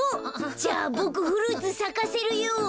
じゃあボクフルーツさかせるよ。